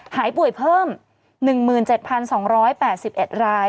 หายป่วยเพิ่ม๑๗๒๘๑ราย